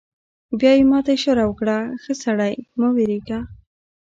بیا یې ما ته اشاره وکړه: ښه سړی، مه وېرېږه.